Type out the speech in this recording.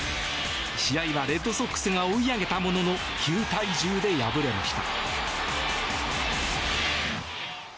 試合はレッドソックスが追い上げたものの９対１０で敗れました。